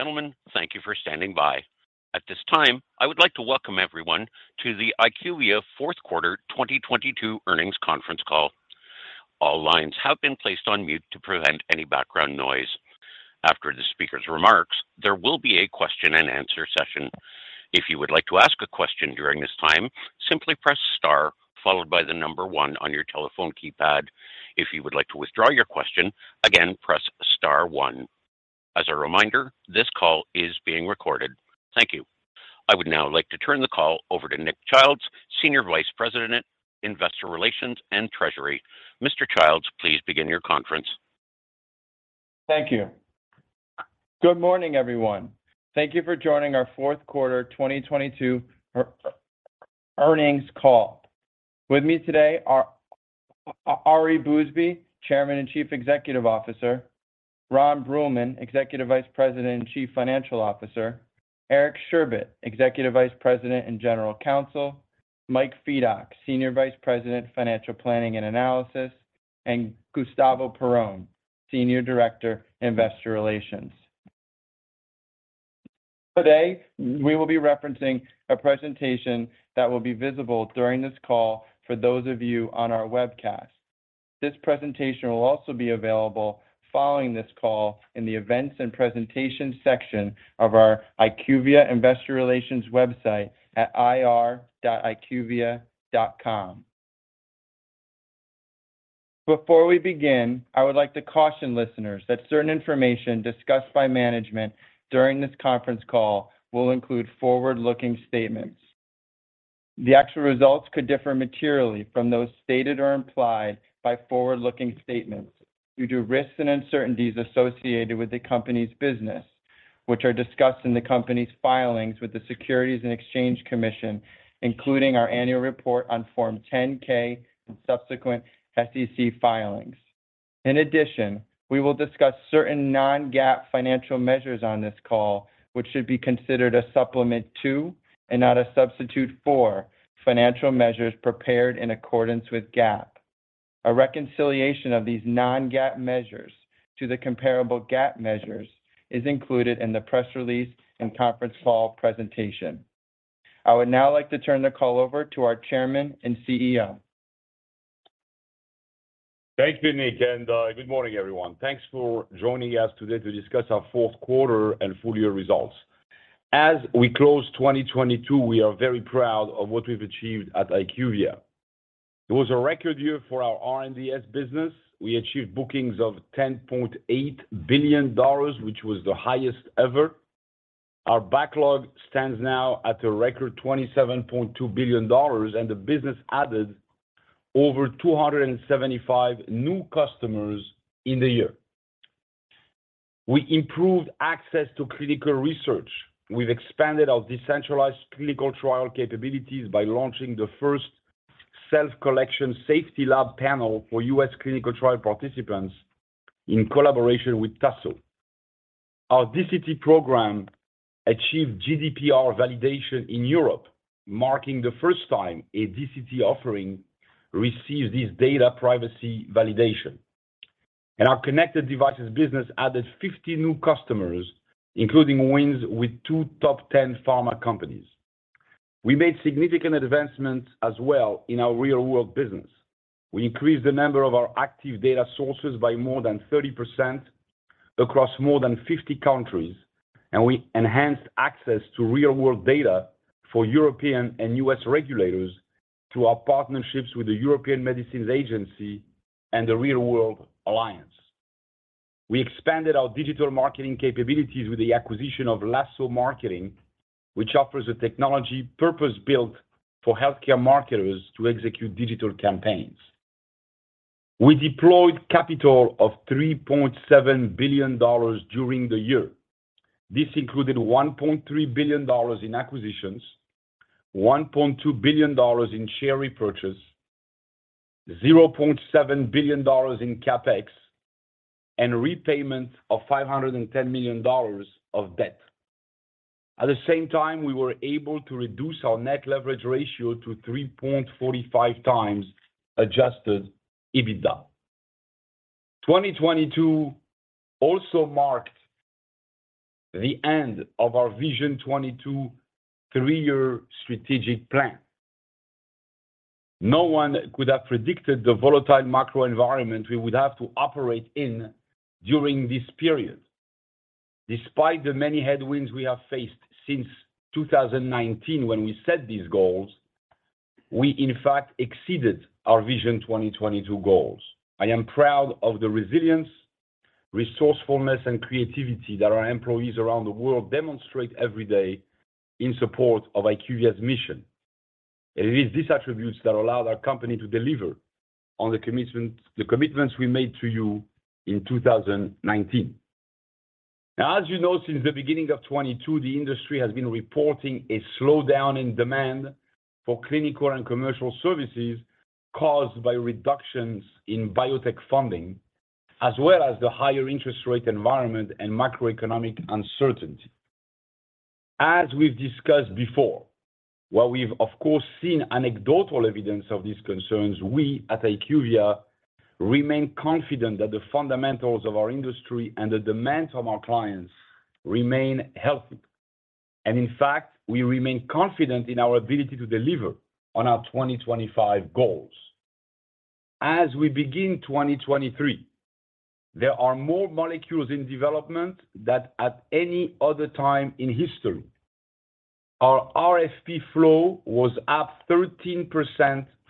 Ladies and gentlemen, thank you for standing by. At this time, I would like to welcome everyone to the IQVIA fourth quarter 2022 earnings conference call. All lines have been placed on mute to prevent any background noise. After the speaker's remarks, there will be a question-and-answer session. If you would like to ask a question during this time, simply press star followed by the number one on your telephone keypad. If you would like to withdraw your question, again, press star one. As a reminder, this call is being recorded. Thank you. I would now like to turn the call over to Nick Childs, Senior Vice President, Investor Relations and Treasury. Mr. Childs, please begin your conference. Thank you. Good morning, everyone. Thank you for joining our fourth quarter 2022 earnings call. With me today are Ari Bousbib, Chairman and Chief Executive Officer. Ron Bruehlman, Executive Vice President and Chief Financial Officer. Eric Sherbet, Executive Vice President and General Counsel. Mike Fedock, Senior Vice President, Financial Planning and Analysis, and Gustavo Perrone, Senior Director, Investor Relations. Today, we will be referencing a presentation that will be visible during this call for those of you on our webcast. This presentation will also be available following this call in the Events and Presentation section of our IQVIA Investor Relations website at ir.iqvia.com. Before we begin, I would like to caution listeners that certain information discussed by management during this conference call will include forward-looking statements. The actual results could differ materially from those stated or implied by forward-looking statements due to risks and uncertainties associated with the company's business, which are discussed in the company's filings with the Securities and Exchange Commission, including our annual report on Form 10-K and subsequent SEC filings. We will discuss certain non-GAAP financial measures on this call, which should be considered a supplement to and not a substitute for financial measures prepared in accordance with GAAP. A reconciliation of these non-GAAP measures to the comparable GAAP measures is included in the press release and conference call presentation. I would now like to turn the call over to our chairman and CEO. Thanks, Nick, and good morning, everyone. Thanks for joining us today to discuss our fourth quarter and full year results. As we close 2022, we are very proud of what we've achieved at IQVIA. It was a record year for our R&DS business. We achieved bookings of $10.8 billion, which was the highest ever. Our backlog stands now at a record $27.2 billion, and the business added over 275 new customers in the year. We improved access to clinical research. We've expanded our decentralized clinical trial capabilities by launching the first self-collection safety lab panel for U.S. clinical trial participants in collaboration with Lasso. Our DCT program achieved GDPR validation in Europe, marking the first time a DCT offering received this data privacy validation. Our connected devices business added 50 new customers, including wins with two Top 10 pharma companies. We made significant advancements as well in our real world business. We increased the number of our active data sources by more than 30% across more than 50 countries, and we enhanced access to real world data for European and U.S. regulators through our partnerships with the European Medicines Agency and the Real World Alliance. We expanded our digital marketing capabilities with the acquisition of Lasso Marketing, which offers a technology purpose-built for healthcare marketers to execute digital campaigns. We deployed capital of $3.7 billion during the year. This included $1.3 billion in acquisitions, $1.2 billion in share repurchases, $0.7 billion in CapEx, and repayment of $510 million of debt. At the same time, we were able to reduce our net leverage ratio to 3.45x Adjusted EBITDA. 2022 also marked the end of our Vision 2022 3-year strategic plan. No one could have predicted the volatile macro environment we would have to operate in during this period. Despite the many headwinds we have faced since 2019 when we set these goals, we in fact exceeded our Vision 2022 goals. I am proud of the resilience, resourcefulness, and creativity that our employees around the world demonstrate every day in support of IQVIA's mission. It is these attributes that allowed our company to deliver on the commitments we made to you in 2019. As you know, since the beginning of 2022, the industry has been reporting a slowdown in demand for clinical and commercial services caused by reductions in biotech funding, as well as the higher interest rate environment and macroeconomic uncertainty. As we've discussed before, while we've of course, seen anecdotal evidence of these concerns, we at IQVIA remain confident that the fundamentals of our industry and the demands of our clients remain healthy. In fact, we remain confident in our ability to deliver on our 2025 goals. We begin 2023, there are more molecules in development than at any other time in history. Our RFP flow was up 13%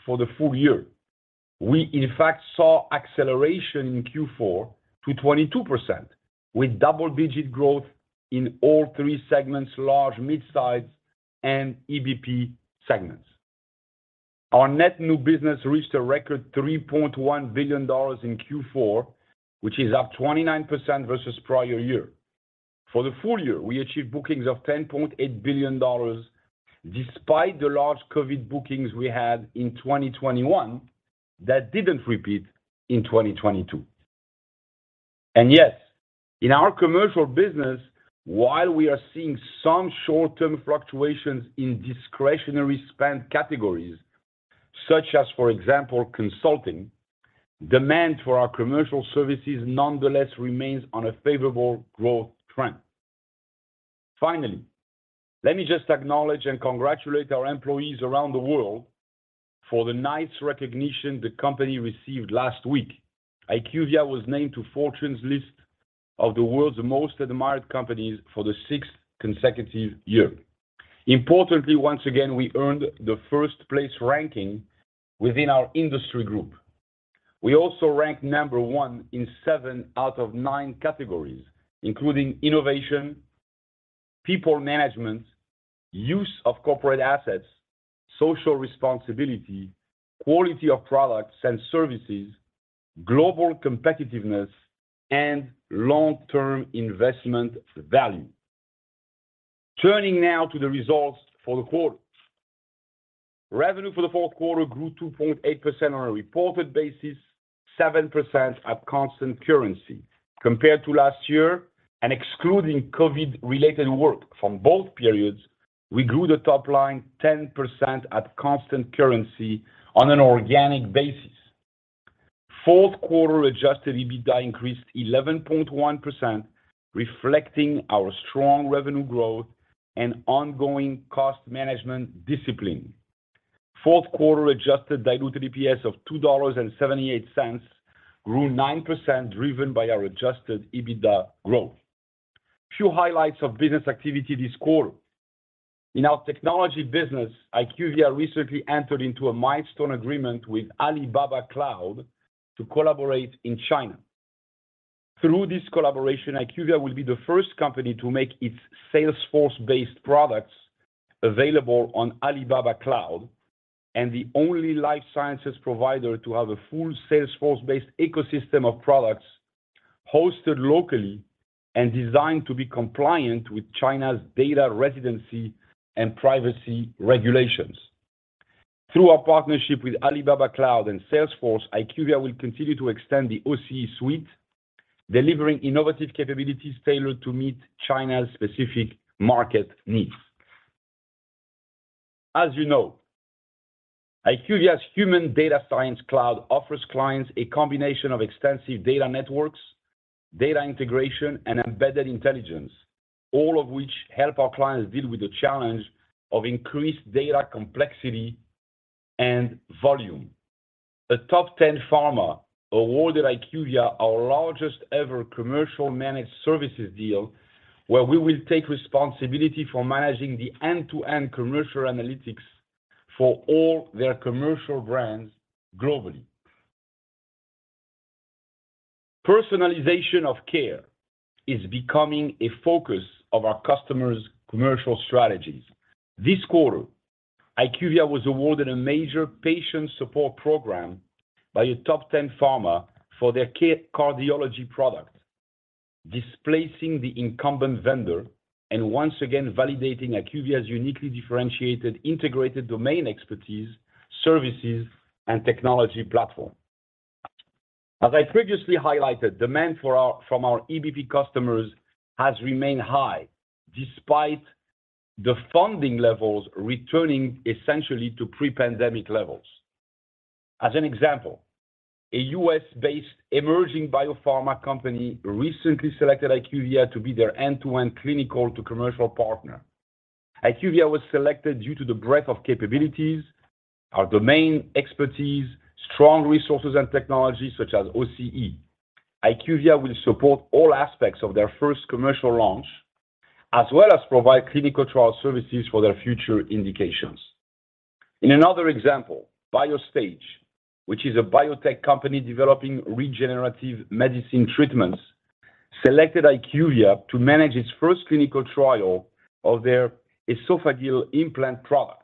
for the full year. We in fact saw acceleration in Q4 to 22%, with double-digit growth in all three segments, large, mid-size, and EBP segments. Our net new business reached a record $3.1 billion in Q4, which is up 29% versus prior year. For the full year, we achieved bookings of $10.8 billion, despite the large COVID bookings we had in 2021 that didn't repeat in 2022. In our commercial business, while we are seeing some short-term fluctuations in discretionary spend categories, such as, for example, consulting, demand for our commercial services nonetheless remains on a favorable growth trend. Let me just acknowledge and congratulate our employees around the world for the nice recognition the company received last week. IQVIA was named to Fortune's list of the world's most admired companies for the sixth consecutive year. Once again, we earned the first-place ranking within our industry group. We also ranked number one in seven out of nine categories, including innovation, people management, use of corporate assets, social responsibility, quality of products and services, global competitiveness, and long-term investment value. Turning now to the results for the quarter. Revenue for the fourth quarter grew 2.8% on a reported basis, 7% at constant currency. Compared to last year and excluding COVID-related work from both periods, we grew the top line 10% at constant currency on an organic basis. Fourth quarter Adjusted EBITDA increased 11.1%, reflecting our strong revenue growth and ongoing cost management discipline. Fourth quarter Adjusted Diluted EPS of $2.78 grew 9% driven by our Adjusted EBITDA growth. A few highlights of business activity this quarter. In our technology business, IQVIA recently entered into a milestone agreement with Alibaba Cloud to collaborate in China. Through this collaboration, IQVIA will be the first company to make its Salesforce-based products available on Alibaba Cloud, and the only life sciences provider to have a full Salesforce-based ecosystem of products hosted locally and designed to be compliant with China's data residency and privacy regulations. Through our partnership with Alibaba Cloud and Salesforce, IQVIA will continue to extend the OCE suite, delivering innovative capabilities tailored to meet China's specific market needs. As you know, IQVIA's Human Data Science Cloud offers clients a combination of extensive data networks, data integration, and embedded intelligence, all of which help our clients deal with the challenge of increased data complexity and volume. A top-ten pharma awarded IQVIA our largest-ever commercial managed services deal where we will take responsibility for managing the end-to-end commercial analytics for all their commercial brands globally. Personalization of care is becoming a focus of our customers' commercial strategies. This quarter, IQVIA was awarded a major patient support program by a top 10 pharma for their cardiology product, displacing the incumbent vendor and once again validating IQVIA's uniquely differentiated integrated domain expertise, services, and technology platform. As I previously highlighted, demand from our EBP customers has remained high despite the funding levels returning essentially to pre-pandemic levels. As an example, a U.S. based emerging biopharma company recently selected IQVIA to be their end-to-end clinical to commercial partner. IQVIA was selected due to the breadth of capabilities, our domain expertise, strong resources and technologies such as OCE. IQVIA will support all aspects of their first commercial launch, as well as provide clinical trial services for their future indications. In another example, Biostage, which is a biotech company developing regenerative medicine treatments, selected IQVIA to manage its first clinical trial of their esophageal implant product.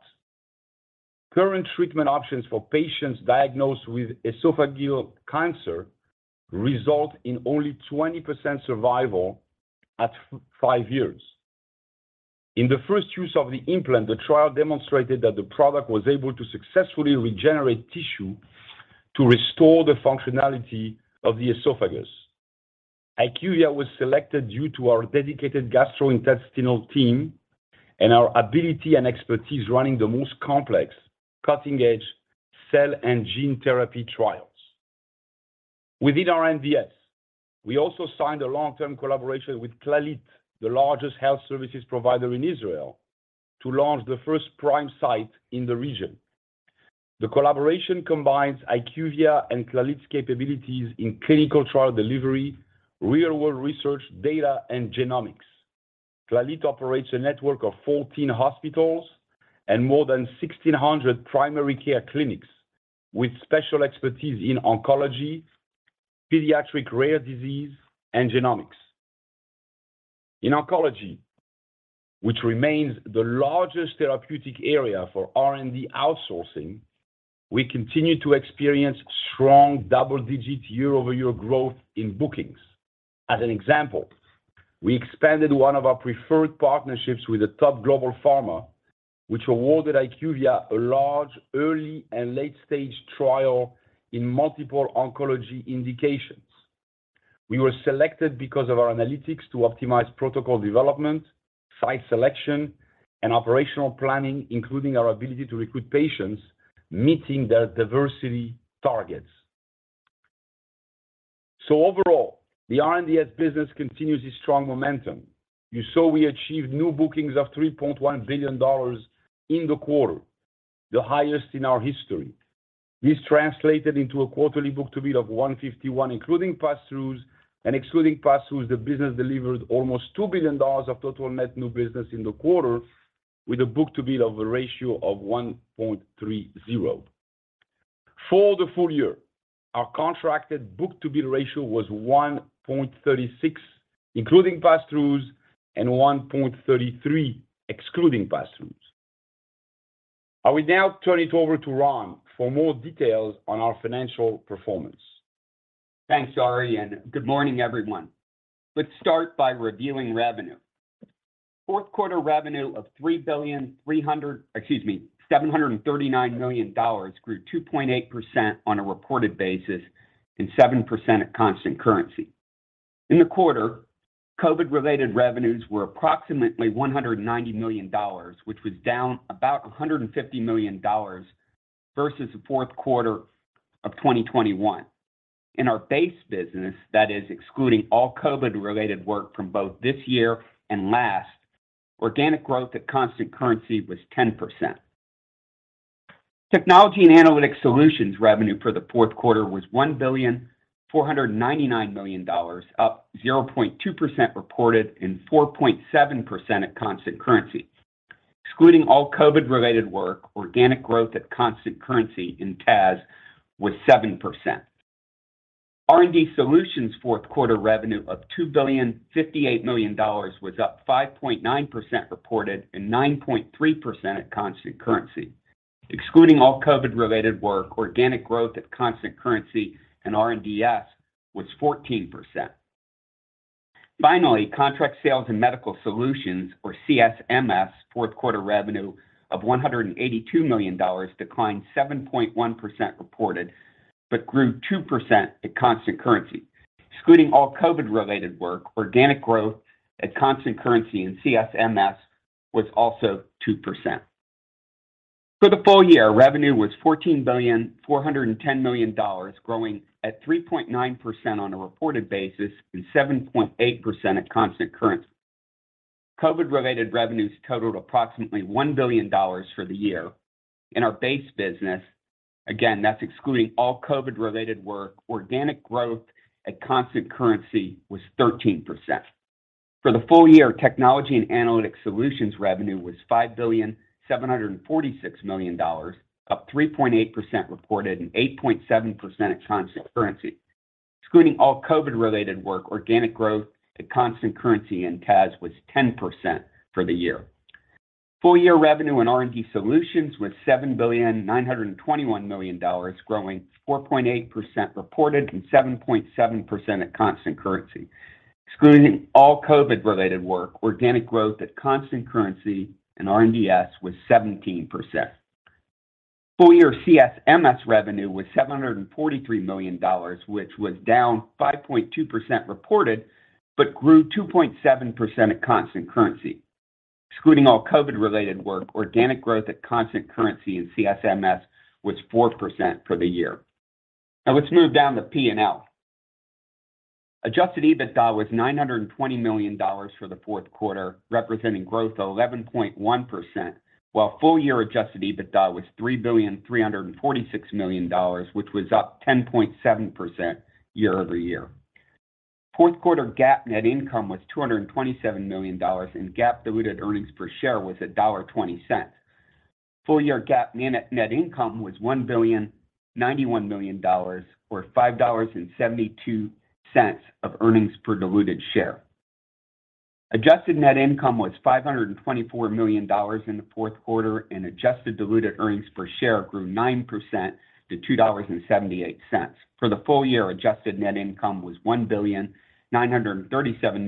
Current treatment options for patients diagnosed with esophageal cancer result in only 20% survival at 5 years. In the first use of the implant, the trial demonstrated that the product was able to successfully regenerate tissue to restore the functionality of the esophagus. IQVIA was selected due to our dedicated gastrointestinal team and our ability and expertise running the most complex cutting-edge cell and gene therapy trials. Within R&DS, we also signed a long-term collaboration with Clalit, the largest health services provider in Israel, to launch the first Prime Site in the region. The collaboration combines IQVIA and Clalit's capabilities in clinical trial delivery, real-world research, data, and genomics. Clalit operates a network of 14 hospitals and more than 1,600 primary care clinics with special expertise in oncology, pediatric rare disease, and genomics. In oncology, which remains the largest therapeutic area for R&D outsourcing, we continue to experience strong double-digit year-over-year growth in bookings. As an example, we expanded one of our preferred partnerships with a top global pharma, which awarded IQVIA a large early and late-stage trial in multiple oncology indications. We were selected because of our analytics to optimize protocol development, site selection, and operational planning, including our ability to recruit patients meeting their diversity targets. Overall, the R&DS business continues its strong momentum. You saw we achieved new bookings of $3.1 billion in the quarter, the highest in our history. This translated into a quarterly book-to-bill of 1.51, including passthroughs. Excluding passthroughs, the business delivered almost $2 billion of total net new business in the quarter with a book-to-bill of a ratio of 1.30. For the full year, our contracted book-to-bill ratio was 1.36, including passthroughs, and 1.33, excluding passthroughs. I will now turn it over to Ron for more details on our financial performance. Thanks, Ari, and good morning, everyone. Let's start by reviewing revenue. Fourth quarter revenue of $3.739 billion grew 2.8% on a reported basis and 7% at constant currency. In the quarter, COVID-related revenues were approximately $190 million, which was down about $150 million versus the fourth quarter of 2021. In our base business, that is excluding all COVID-related work from both this year and last, organic growth at constant currency was 10%. Technology and Analytics Solutions revenue for the fourth quarter was $1.499 billion, up 0.2% reported and 4.7% at constant currency. Excluding all COVID-related work, organic growth at constant currency in TAS was 7%. R&D solutions fourth quarter revenue of $2,058 million was up 5.9% reported and 9.3% at constant currency. Excluding all COVID-related work, organic growth at constant currency in R&DS was 14%. Contract sales and medical solutions or CSMS fourth quarter revenue of $182 million declined 7.1% reported but grew 2% at constant currency. Excluding all COVID-related work, organic growth at constant currency in CSMS was also 2%. For the full year, revenue was $14,410 million, growing at 3.9% on a reported basis and 7.8% at constant currency. COVID-related revenues totaled approximately $1 billion for the year. In our base business, again, that's excluding all COVID-related work, organic growth at constant currency was 13%. For the full year, Technology and Analytic Solutions revenue was $5,746 million, up 3.8% reported and 8.7% at constant currency. Excluding all COVID-related work, organic growth at constant currency in TAS was 10% for the year. Full year revenue in R&D Solutions was $7,921 million, growing 4.8% reported and 7.7% at constant currency. Excluding all COVID-related work, organic growth at constant currency in R&DS was 17%. Full year CSMS revenue was $743 million, which was down 5.2% reported but grew 2.7% at constant currency. Excluding all COVID-related work, organic growth at constant currency in CSMS was 4% for the year. Let's move down to P&L. Adjusted EBITDA was $920 million for the fourth quarter, representing growth of 11.1%, while full year Adjusted EBITDA was $3.346 billion, which was up 10.7% year-over-year. Fourth quarter GAAP net income was $227 million, and GAAP diluted earnings per share was $1.20. Full year GAAP net income was $1.091 billion or $5.72 of earnings per diluted share. Adjusted net income was $524 million in the fourth quarter, and Adjusted Diluted Earnings per share grew 9% to $2.78. For the full year, adjusted net income was $1.937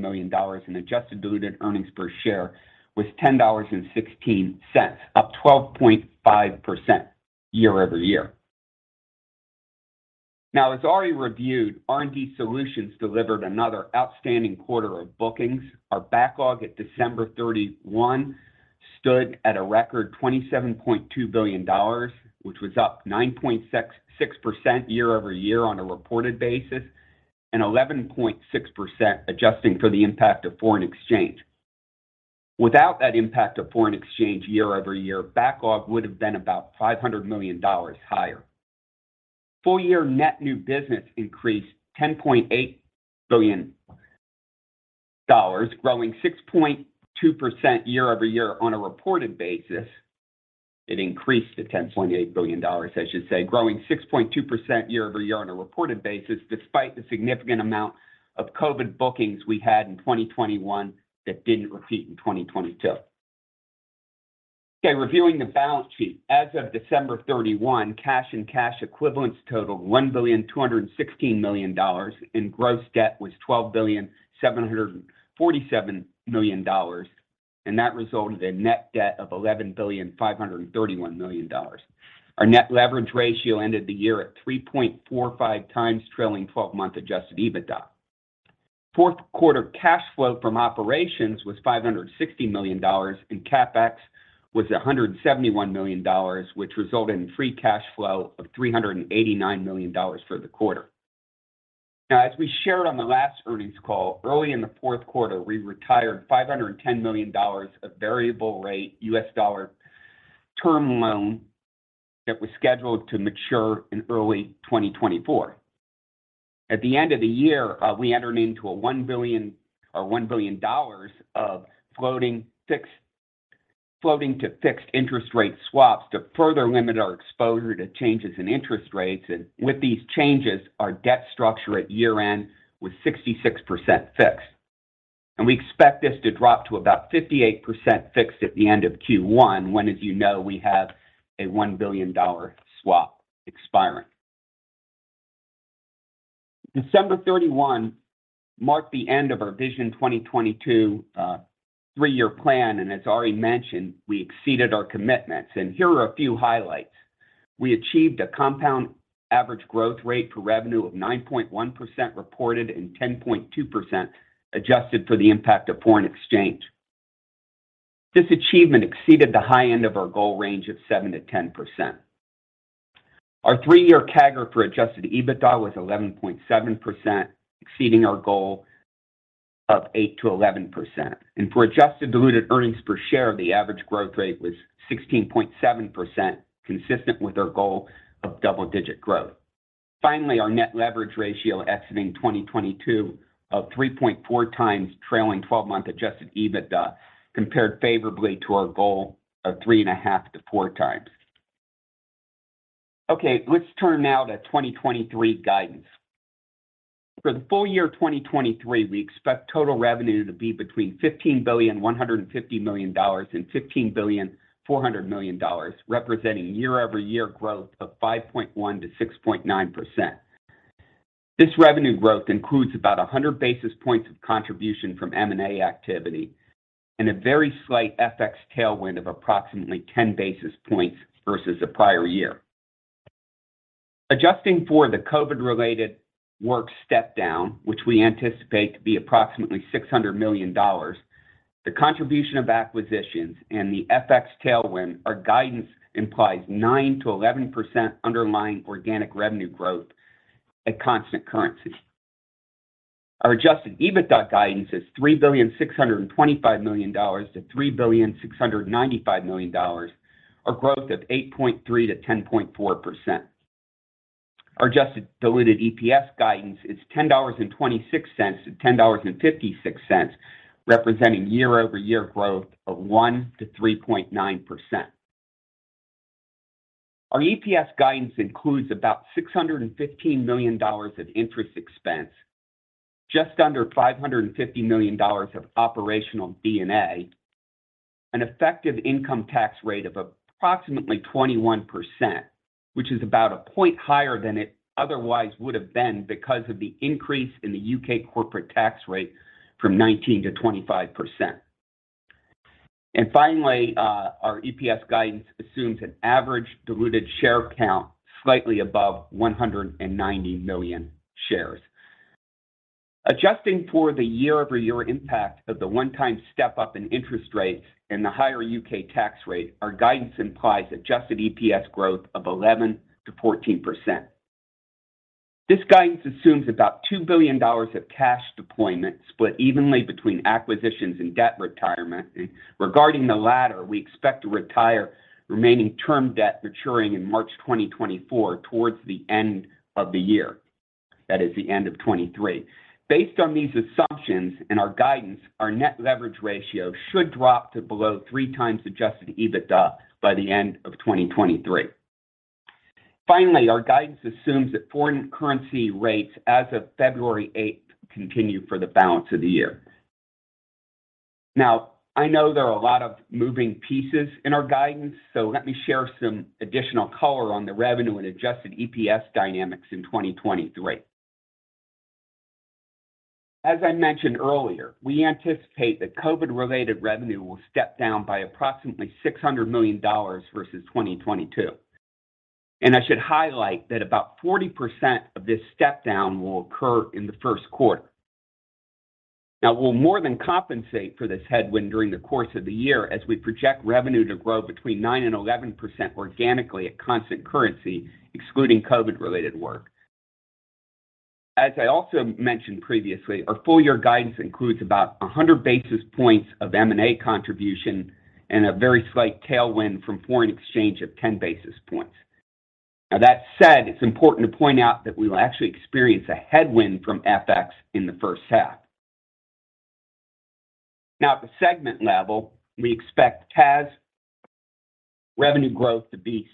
billion, and adjusted diluted earnings per share was $10.16, up 12.5% year-over-year. As already reviewed, R&D Solutions delivered another outstanding quarter of bookings. Our backlog at December 31 stood at a record $27.2 billion, which was up 9.66% year-over-year on a reported basis, and 11.6% adjusting for the impact of foreign exchange. Without that impact of foreign exchange year-over-year, backlog would have been about $500 million higher. Full year net new business increased $10.8 billion, growing 6.2% year-over-year on a reported basis. It increased to $10.8 billion, I should say, growing 6.2% year-over-year on a reported basis, despite the significant amount of COVID bookings we had in 2021 that didn't repeat in 2022. Okay, reviewing the balance sheet. As of December 31, cash and cash equivalents totaled $1.216 billion, and gross debt was $12.747 billion, and that resulted in net debt of $11.531 billion. Our net leverage ratio ended the year at 3.45x trailing 12 month Adjusted EBITDA. Fourth quarter cash flow from operations was $560 million, and capex was $171 million, which resulted in free cash flow of $389 million for the quarter. As we shared on the last earnings call, early in the fourth quarter, we retired $510 million of variable rate U.S. dollar term loan that was scheduled to mature in early 2024. At the end of the year, we entered into a $1 billion of floating to fixed interest rate swaps to further limit our exposure to changes in interest rates. With these changes, our debt structure at year-end was 66% fixed. We expect this to drop to about 58% fixed at the end of Q1 when, as you know, we have a $1 billion swap expiring. December 31 marked the end of our Vision 2022, 3 year plan, and as already mentioned, we exceeded our commitments. Here are a few highlights. We achieved a compound average growth rate for revenue of 9.1% reported and 10.2% adjusted for the impact of foreign exchange. This achievement exceeded the high end of our goal range of 7%-10%. Our 3 year CAGR for Adjusted EBITDA was 11.7%, exceeding our goal of 8%-11%. For Adjusted Diluted Earnings Per Share, the average growth rate was 16.7%, consistent with our goal of double-digit growth. Finally, our net leverage ratio exiting 2022 of 3.4x trailing 12-month Adjusted EBITDA compared favorably to our goal of 3.5x-4x. Okay, let's turn now the 2023 guidance. For the full year 2023, we expect total revenue to be between $15,150 million and $15,400 million, representing year-over-year growth of 5.1%-6.9%. This revenue growth includes about 100 basis points of contribution from M&A activity and a very slight FX tailwind of approximately 10 basis points versus the prior year. Adjusting for the COVID-related work step down, which we anticipate to be approximately $600 million, the contribution of acquisitions and the FX tailwind, our guidance implies 9%-11% underlying organic revenue growth at constant currency. Our Adjusted EBITDA guidance is $3,625 million to $3,695 million, or growth of 8.3%-10.4%. Our Adjusted Diluted EPS guidance is $10.26-$10.56, representing year-over-year growth of 1%-3.9%. Our EPS guidance includes about $615 million of interest expense, just under $550 million of operational D&A, an effective income tax rate of approximately 21%, which is about 1 point higher than it otherwise would have been because of the increase in the U.K. corporate tax rate from 19%-25%. Finally, our EPS guidance assumes an average diluted share count slightly above 190 million shares. Adjusting for the year-over-year impact of the one-time step-up in interest rates and the higher U.K. tax rate, our guidance implies adjusted EPS growth of 11%-14%. This guidance assumes about $2 billion of cash deployment split evenly between acquisitions and debt retirement. Regarding the latter, we expect to retire remaining term debt maturing in March 2024 towards the end of the year. That is the end of 2023. Based on these assumptions and our guidance, our net leverage ratio should drop to below 3x Adjusted EBITDA by the end of 2023. Finally, our guidance assumes that foreign currency rates as of February 8th continue for the balance of the year. I know there are a lot of moving pieces in our guidance, so let me share some additional color on the revenue and Adjusted EPS dynamics in 2023. As I mentioned earlier, we anticipate that COVID-related revenue will step down by approximately $600 million versus 2022. I should highlight that about 40% of this step down will occur in the first quarter. We'll more than compensate for this headwind during the course of the year as we project revenue to grow between 9% and 11% organically at constant currency, excluding COVID-related work. As I also mentioned previously, our full year guidance includes about 100 basis points of M&A contribution and a very slight tailwind from foreign exchange of 10 basis points. That said, it's important to point out that we will actually experience a headwind from FX in the first half. At the segment level, we expect TAS revenue growth to be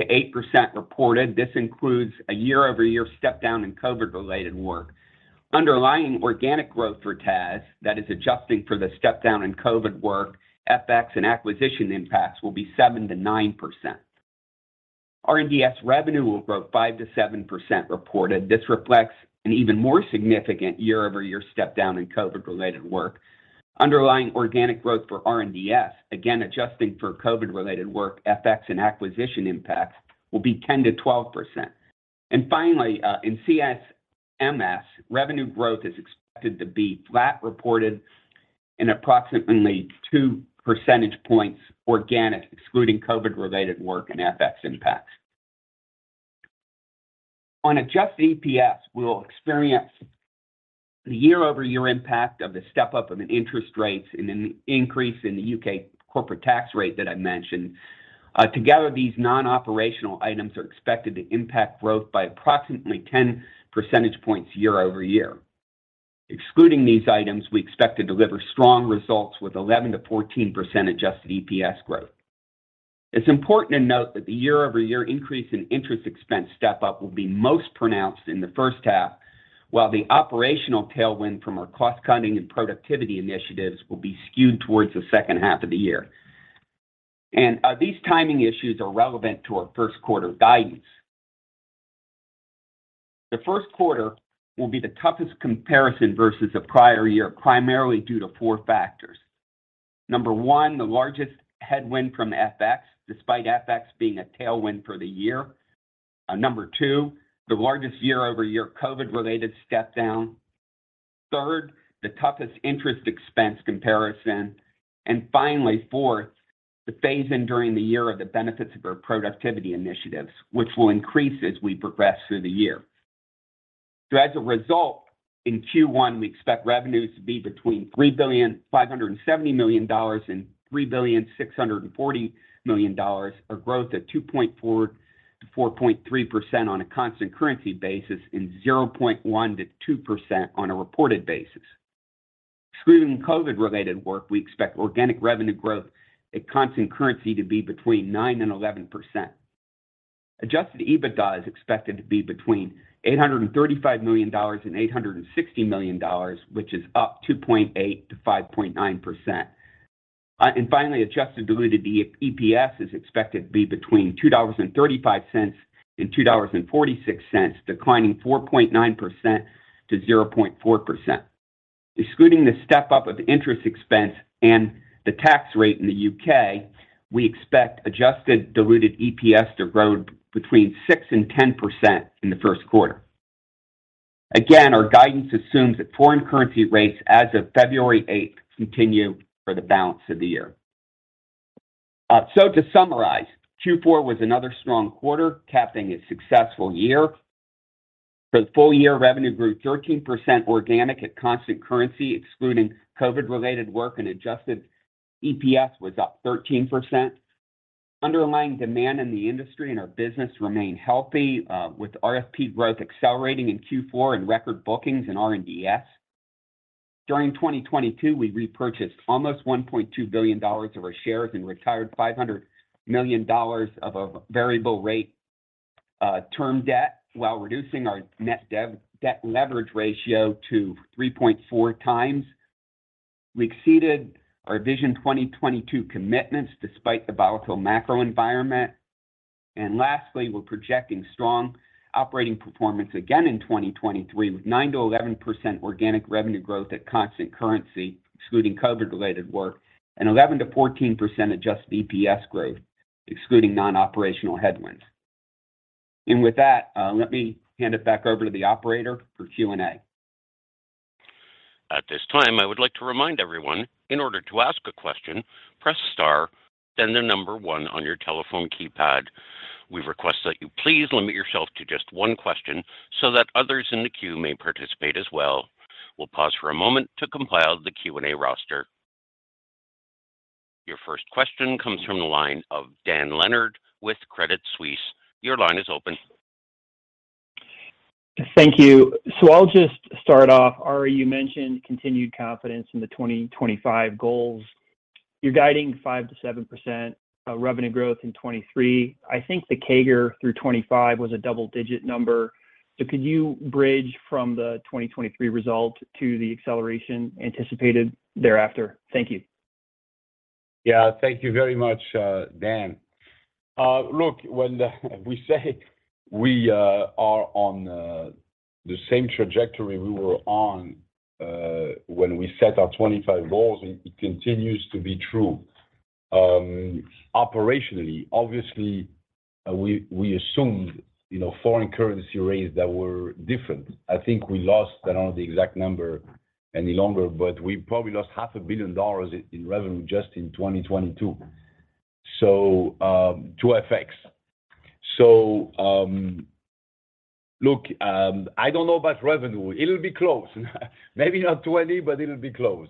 6%-8% reported. This includes a year-over-year step down in COVID-related work. Underlying organic growth for TAS, that is adjusting for the step down in COVID work, FX and acquisition impacts will be 7%-9%. R&DS revenue will grow 5%-7% reported. This reflects an even more significant year-over-year step down in COVID-related work. Underlying organic growth for R&DS, again, adjusting for COVID-related work, FX and acquisition impacts, will be 10%-12%. Finally, in CS/MS, revenue growth is expected to be flat reported and approximately 2 percentage points organic, excluding COVID-related work and FX impacts. On Adjusted EPS, we'll experience the year-over-year impact of the step up of an interest rates and an increase in the U.K. corporate tax rate that I mentioned. Together, these non-operational items are expected to impact growth by approximately 10 percentage points year-over-year. Excluding these items, we expect to deliver strong results with 11%-14% Adjusted EPS growth. It's important to note that the year-over-year increase in interest expense step-up will be most pronounced in the first half, while the operational tailwind from our cost-cutting and productivity initiatives will be skewed towards the second half of the year. These timing issues are relevant to our first quarter guidance. The first quarter will be the toughest comparison versus the prior year, primarily due to 4 factors. Number one, the largest headwind from FX, despite FX being a tailwind for the year. Number two, the largest year-over-year COVID-related step down. Third, the toughest interest expense comparison. Finally, fourth, the phase-in during the year of the benefits of our productivity initiatives, which will increase as we progress through the year. As a result, in Q1, we expect revenues to be between $3.57 billion-$3.64 billion, or growth at 2.4%-4.3% on a constant currency basis and 0.1%-2% on a reported basis. Excluding COVID-related work, we expect organic revenue growth at constant currency to be between 9%-11%. Adjusted EBITDA is expected to be between $835 million-$860 million, which is up 2.8%-5.9%. And finally, Adjusted Diluted EPS is expected to be between $2.35-$2.46, declining 4.9% to 0.4%. Excluding the step up of interest expense and the tax rate in the U.K., we expect Adjusted Diluted EPS to grow between 6%-10% in the first quarter. Again, our guidance assumes that foreign currency rates as of February 8th continue for the balance of the year. To summarize, Q4 was another strong quarter, capping a successful year. For the full year, revenue grew 13% organic at constant currency, excluding COVID-related work, and adjusted EPS was up 13%. Underlying demand in the industry and our business remain healthy, with RFP growth accelerating in Q4 and record bookings in R&DS. During 2022, we repurchased almost $1.2 billion of our shares and retired $500 million of variable rate term debt while reducing our net debt leverage ratio to 3.4x. We exceeded our Vision 2022 commitments despite the volatile macro environment. Lastly, we're projecting strong operating performance again in 2023, with 9%-11% organic revenue growth at constant currency, excluding COVID-related work, and 11%-14% Adjusted EPS growth, excluding non-operational headwinds. With that, let me hand it back over to the operator for Q&A. At this time, I would like to remind everyone, in order to ask a question, press star, then the number one on your telephone keypad. We request that you please limit yourself to just one question so that others in the queue may participate as well. We'll pause for a moment to compile the Q&A roster. Your first question comes from the line of Dan Leonard with Credit Suisse. Your line is open. Thank you. I'll just start off. Ari, you mentioned continued confidence in the 2025 goals. You're guiding 5%-7% revenue growth in 2023. I think the CAGR through 2025 was a double-digit number. Could you bridge from the 2023 result to the acceleration anticipated thereafter? Thank you. Yeah. Thank you very much, Dan. Look, when we say we are on the same trajectory we were on when we set our 25 goals, it continues to be true. Operationally, obviously, we assumed, you know, foreign currency rates that were different. I think we lost, I don't know the exact number any longer, but we probably lost half a billion dollars in revenue just in 2022. Two effects. Look, I don't know about revenue. It'll be close. Maybe not 20, but it'll be close.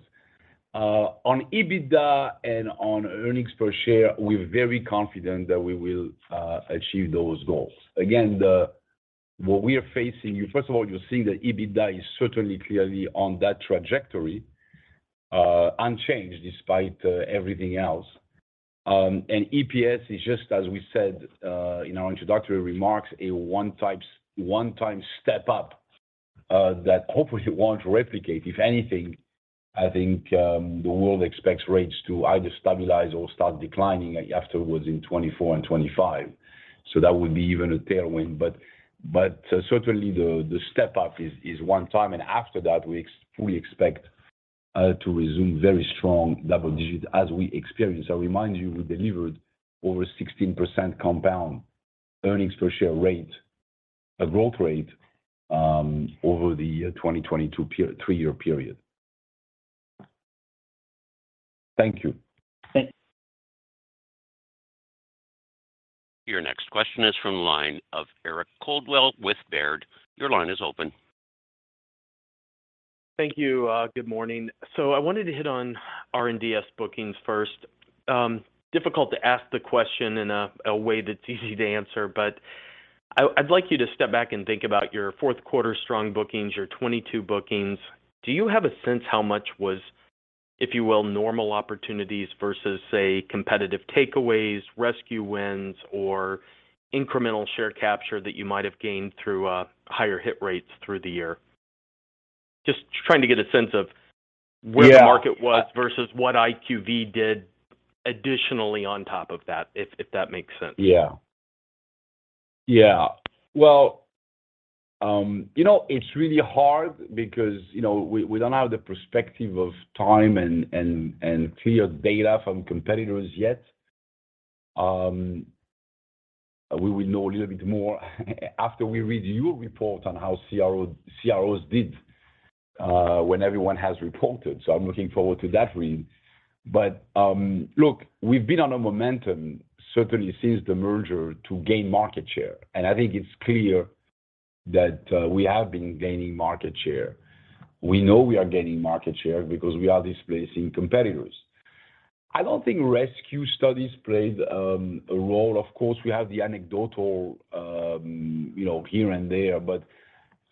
On EBITDA and on earnings per share, we're very confident that we will achieve those goals. Again, First of all, you're seeing the EBITDA is certainly clearly on that trajectory, unchanged despite everything else. EPS is just as we said, in our introductory remarks, a 1-time step up that hopefully won't replicate. If anything, I think, the world expects rates to either stabilize or start declining afterwards in 2024 and 2025. That would be even a tailwind. Certainly the step-up is 1 time, and after that, we expect to resume very strong double digit as we experience. I remind you, we delivered over 16% compound earnings per share rate, a growth rate, over the 2022 3-year period. Thank you. Your next question is from the line of Eric Coldwell with Baird. Your line is open. Thank you. Good morning. I wanted to hit on R&DS bookings first. Difficult to ask the question in a way that's easy to answer, but I'd like you to step back and think about your fourth quarter strong bookings, your 22 bookings. Do you have a sense how much was, if you will, normal opportunities versus, say, competitive takeaways, rescue wins, or incremental share capture that you might have gained through higher hit rates through the year? Just trying to get a sense of. Yeah. Where the market was versus what IQV did additionally on top of that, if that makes sense? Yeah. Yeah. Well, you know, it's really hard because, you know, we don't have the perspective of time and clear data from competitors yet. We will know a little bit more after we read your report on how CROs did, when everyone has reported. I'm looking forward to that read. Look, we've been on a momentum certainly since the merger to gain market share. I think it's clear that we have been gaining market share. We know we are gaining market share because we are displacing competitors. I don't think rescue studies played a role. Of course, we have the anecdotal, you know, here and there, but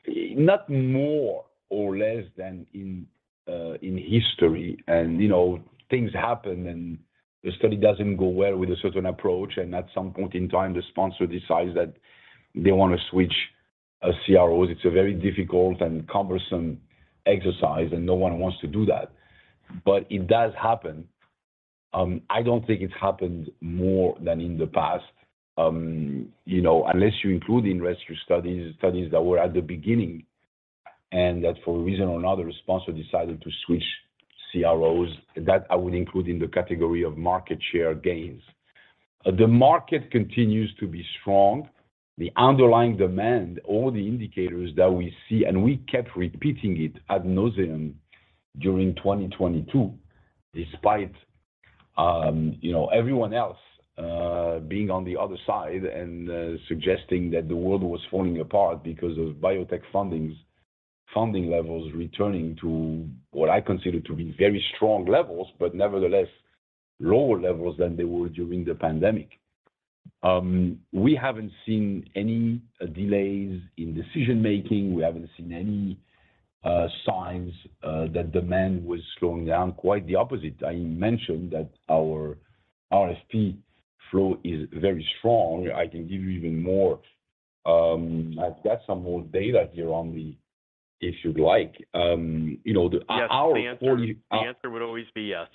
not more or less than in history. You know, things happen and the study doesn't go well with a certain approach, and at some point in time, the sponsor decides that they wanna switch CROs. It's a very difficult and cumbersome exercise, and no one wants to do that. It does happen. I don't think it happened more than in the past, you know, unless you include in rescue studies that were at the beginning and that for a reason or another, the sponsor decided to switch CROs. I would include in the category of market share gains. The market continues to be strong. The underlying demand, all the indicators that we see, and we kept repeating it ad nauseam during 2022, despite, you know, everyone else being on the other side and suggesting that the world was falling apart because of biotech funding levels returning to what I consider to be very strong levels, but nevertheless, lower levels than they were during the pandemic. We haven't seen any delays in decision-making. We haven't seen any signs that demand was slowing down. Quite the opposite. I mentioned that our RFP flow is very strong. I can give you even more. I've got some more data here on the. If you'd like, you know. The answer would always be yes.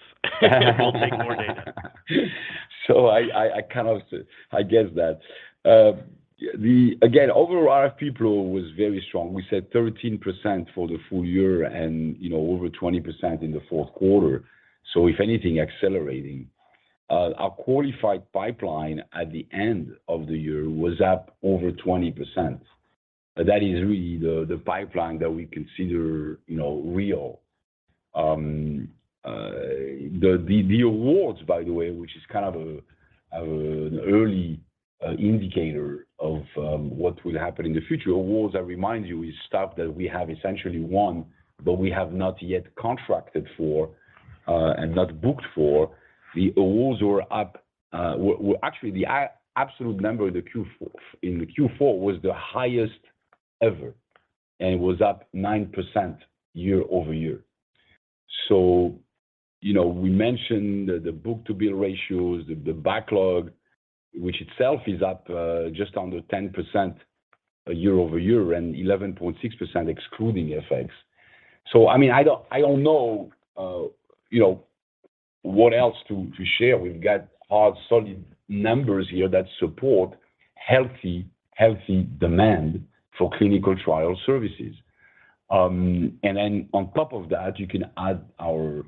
I'll take more data. I kind of guessed that. Again, overall RFP flow was very strong. We said 13% for the full year and, you know, over 20% in the fourth quarter. If anything, accelerating. Our qualified pipeline at the end of the year was up over 20%. That is really the pipeline that we consider, you know, real. The awards, by the way, which is kind of an early indicator of what will happen in the future. Awards, I remind you, is stuff that we have essentially won, but we have not yet contracted for and not booked for. The awards were up, well, actually, the absolute number in the Q4 was the highest ever, and it was up 9% year-over-year. you know, we mentioned the book-to-bill ratios, the backlog, which itself is up just under 10% year-over-year and 11.6% excluding FX. I mean, I don't know, you know, what else to share. We've got hard, solid numbers here that support healthy demand for clinical trial services. On top of that, you can add our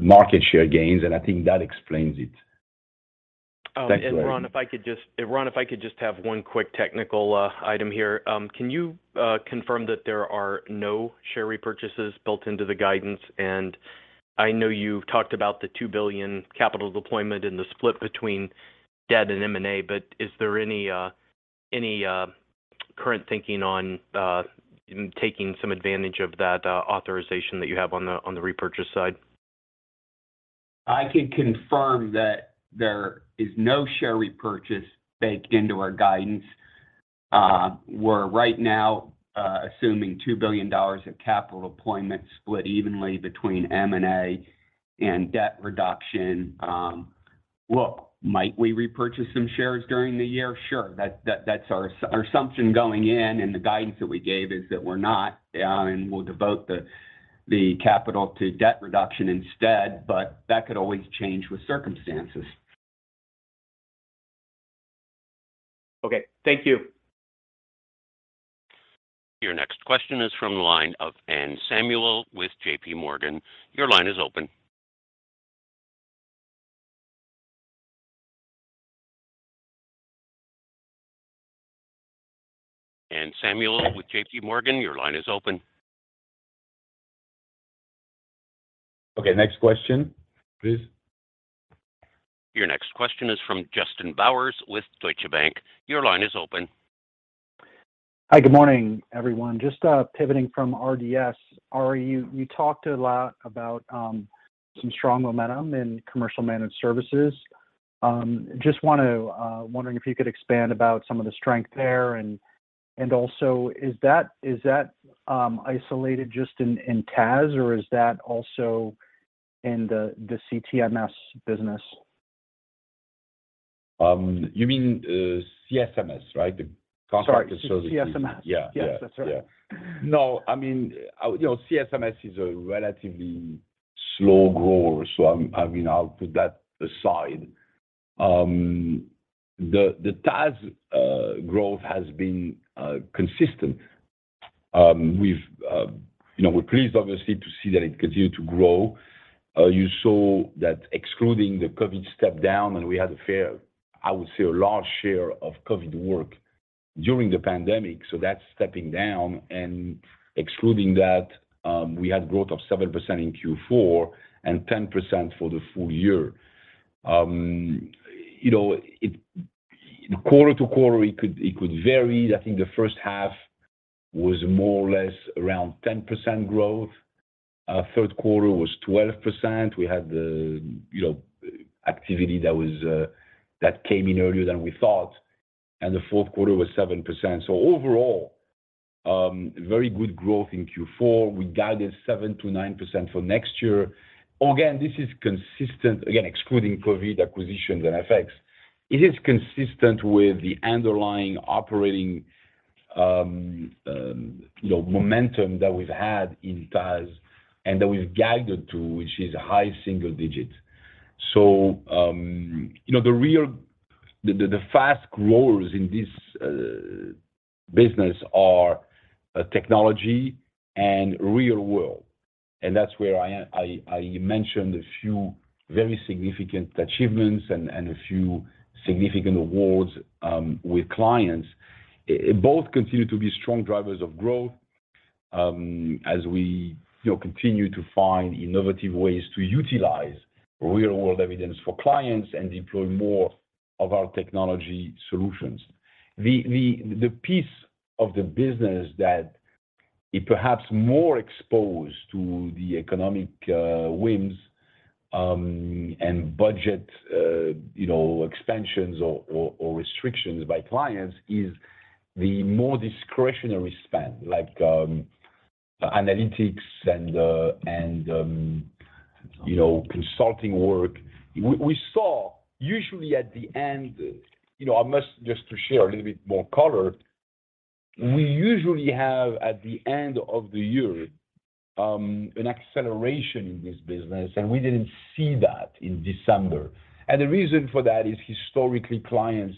market share gains, and I think that explains it. Ron, if I could just have one quick technical item here. Can you confirm that there are no share repurchases built into the guidance? I know you've talked about the $2 billion capital deployment and the split between debt and M&A, but is there any current thinking on taking some advantage of that authorization that you have on the repurchase side? I can confirm that there is no share repurchase baked into our guidance. We're right now assuming $2 billion of capital deployment split evenly between M&A and debt reduction. Look, might we repurchase some shares during the year? Sure. That's our assumption going in. The guidance that we gave is that we're not, and we'll devote the capital to debt reduction instead. That could always change with circumstances. Okay. Thank you. Your next question is from the line of Anne Samuel with JPMorgan. Your line is open. Anne Samuel with JPMorgan, your line is open. Okay, next question, please. Your next question is from Justin Bowers with Deutsche Bank. Your line is open. Hi, good morning, everyone. Just pivoting from R&DS. Ari, you talked a lot about some strong momentum in commercial managed services. Just wondering if you could expand about some of the strength there and also is that isolated just in TAS or is that also in the CSMS business? You mean CSMS, right? The contract and. Sorry. CSMS. Yes, that's right. Yeah. No, I mean, you know, CSMS is a relatively slow grower, so I mean, I'll put that aside. The TAS growth has been consistent. We've, you know, we're pleased obviously to see that it continued to grow. You saw that excluding the COVID step down, and we had a fair, I would say, a large share of COVID work during the pandemic, so that's stepping down. Excluding that, we had growth of 7% in Q4 and 10% for the full year. You know, quarter to quarter, it could, it could vary. I think the first half was more or less around 10% growth. Third quarter was 12%. We had the, you know, activity that came in earlier than we thought. The fourth quarter was 7%. Overall, very good growth in Q4. We guided 7%-9% for next year. Again, this is consistent. Again, excluding COVID acquisitions and FX, it is consistent with the underlying operating, you know, momentum that we've had in TAS and that we've guided to, which is high single digits. You know, the real the fast growers in this business are technology and real world. That's where I am. I mentioned a few very significant achievements and a few significant awards with clients. Both continue to be strong drivers of growth, as we, you know, continue to find innovative ways to utilize real world evidence for clients and deploy more of our technology solutions. The piece of the business that is perhaps more exposed to the economic winds, and budget, you know, expansions or restrictions by clients is the more discretionary spend, like analytics and, you know, consulting work. We saw usually at the end, you know, I must just to share a little bit more color. We usually have, at the end of the year, an acceleration in this business, and we didn't see that in December. The reason for that is historically, clients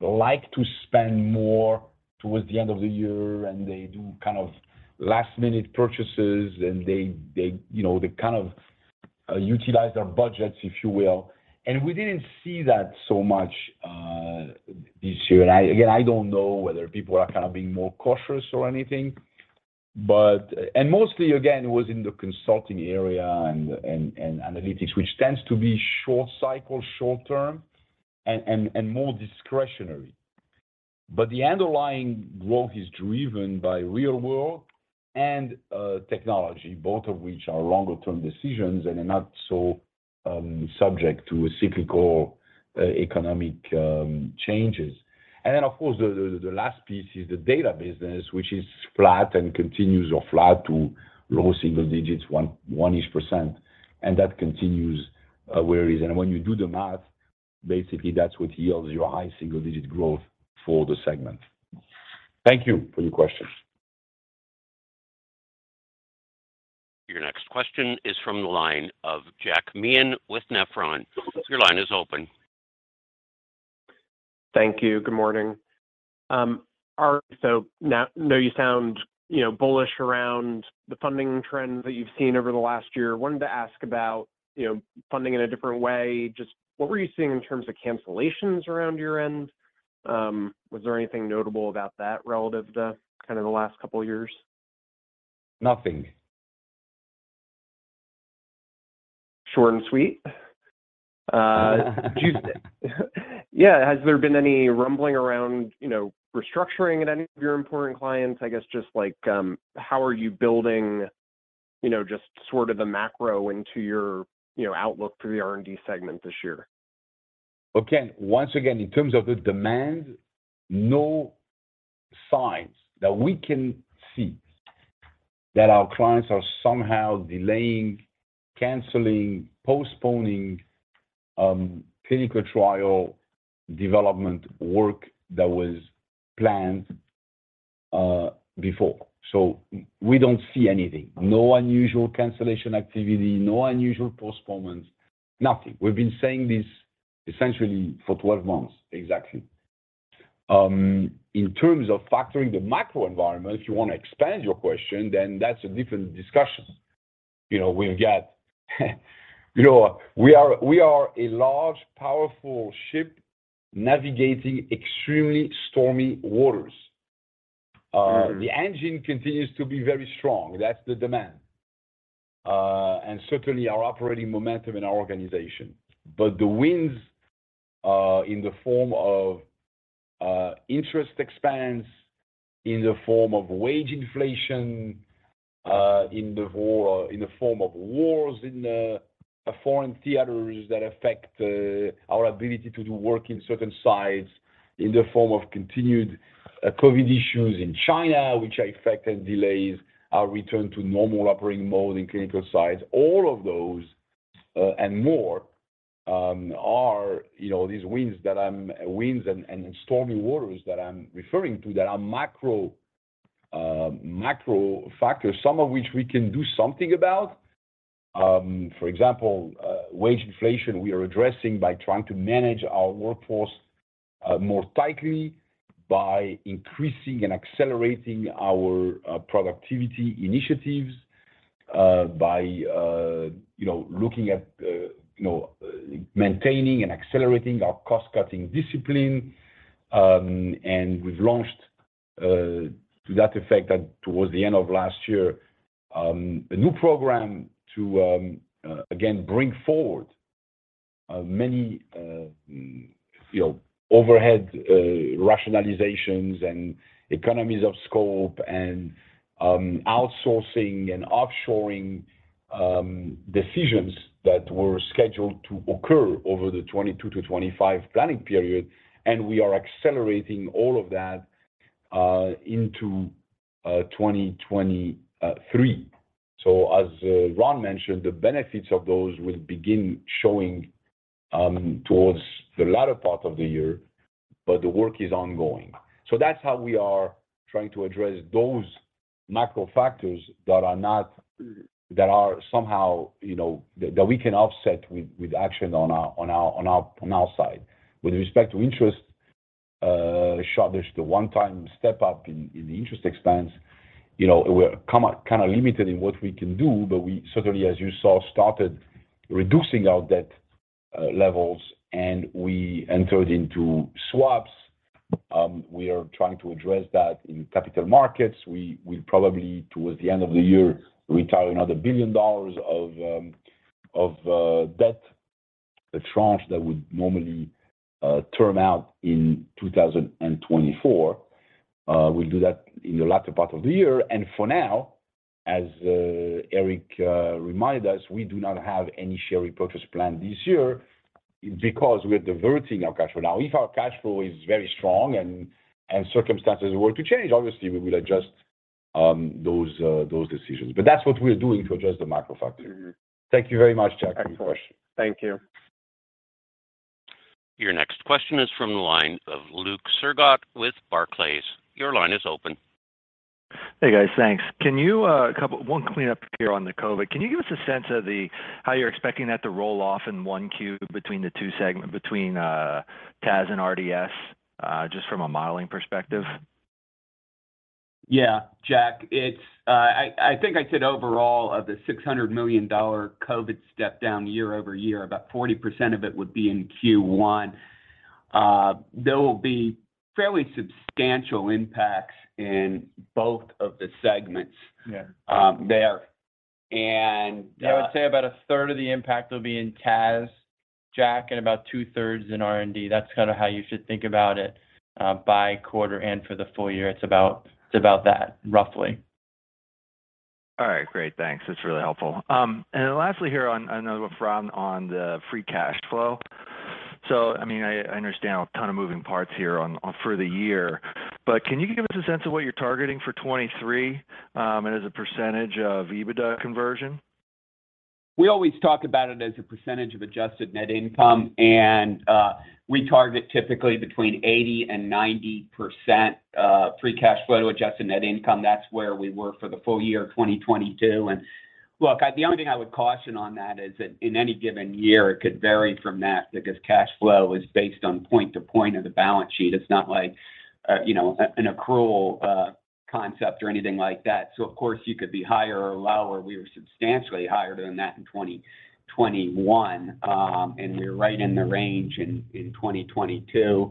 like to spend more towards the end of the year, and they do kind of last-minute purchases, and they, you know, they kind of utilize their budgets, if you will. We didn't see that so much this year. Again, I don't know whether people are kind of being more cautious or anything. Mostly, again, it was in the consulting area and analytics, which tends to be short cycle, short-term, and more discretionary. The underlying growth is driven by real world and technology, both of which are longer-term decisions and are not so subject to cyclical economic changes. Then, of course, the last piece is the data business, which is flat and continues or flat to low single digits, one-ish %, and that continues where it is. When you do the math, basically that's what yields your high single-digit growth for the segment. Thank you for your questions. Your next question is from the line of Jack Meehan with Nephron. Your line is open. Thank you. Good morning. You sound, you know, bullish around the funding trends that you've seen over the last year. Wanted to ask about, you know, funding in a different way. Just what were you seeing in terms of cancellations around your end? Was there anything notable about that relative to kind of the last couple of years? Nothing. Short and sweet. Tuesday. Yeah. Has there been any rumbling around, you know, restructuring at any of your important clients? I guess just like, how are you building, you know, just sort of the macro into your, you know, outlook for the R&D segment this year? Okay. Once again, in terms of the demand, no signs that we can see that our clients are somehow delaying, canceling, postponing, clinical trial development work that was planned before. We don't see anything. No unusual cancellation activity, no unusual postponements, nothing. We've been saying this essentially for 12 months exactly. In terms of factoring the macro environment, if you want to expand your question, that's a different discussion. You know, we are a large, powerful ship navigating extremely stormy waters. The engine continues to be very strong. That's the demand. And certainly our operating momentum in our organization. The winds, in the form of interest expense, in the form of wage inflation, in the form of wars in the foreign theaters that affect our ability to do work in certain sites, in the form of continued COVID issues in China, which affected delays, our return to normal operating mode in clinical sites. All of those, and more, are, you know, these winds and stormy waters that I'm referring to that are macro factors, some of which we can do something about. For example, wage inflation we are addressing by trying to manage our workforce, more tightly by increasing and accelerating our, productivity initiatives, by, you know, looking at, you know, maintaining and accelerating our cost-cutting discipline. We've launched to that effect towards the end of last year, a new program to again, bring forward many, you know, overhead rationalizations and economies of scope and outsourcing and offshoring decisions that were scheduled to occur over the 2022-2025 planning period. We are accelerating all of that into 2023. As Ron mentioned, the benefits of those will begin showing towards the latter part of the year, but the work is ongoing. That's how we are trying to address those macro factors that are somehow, you know, that we can offset with action on our side. With respect to interest, shortage, the one-time step-up in the interest expense, you know, we're kind of limited in what we can do. We certainly, as you saw, started reducing our debt levels, and we entered into swaps. We are trying to address that in capital markets. We probably, towards the end of the year, retire another $1 billion of debt, the tranche that would normally term out in 2024. We'll do that in the latter part of the year. For now, as Eric reminded us, we do not have any share repurchase plan this year because we're diverting our cash flow. If our cash flow is very strong and circumstances were to change, obviously we will adjust those decisions. That's what we're doing to address the macro factors. Mm-hmm. Thank you very much, Jack. Thanks, Laurent. Thank you. Your next question is from the line of Luke Sergott with Barclays. Your line is open. Hey, guys. Thanks. Can you, one cleanup here on the COVID? Can you give us a sense of how you're expecting that to roll off in 1Q between the two between TAS and RDS, just from a modeling perspective? Yeah, Jack, it's I think I said overall of the $600 million COVID step-down year-over-year, about 40% of it would be in Q1. There will be fairly substantial impacts in both of the segments. Yeah there. I would say about a third of the impact will be in TAS, Jack, and about two-thirds in R&D. That's kinda how you should think about it by quarter and for the full year. It's about that, roughly. All right, great. Thanks. That's really helpful. Lastly here on Laurent on the free cash flow. I mean, I understand a ton of moving parts here on for the year, but can you give us a sense of what you're targeting for 2023, and as a % of EBITDA conversion? We always talk about it as a percentage of adjusted net income, and we target typically between 80% and 90% free cash flow to adjusted net income. That's where we were for the full year of 2022. The only thing I would caution on that is that in any given year, it could vary from that because cash flow is based on point to point of the balance sheet. It's not like, you know, an accrual concept or anything like that. You could be higher or lower. We were substantially higher than that in 2021. And we're right in the range in 2022.